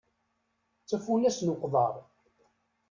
D tafunast n uqḍar.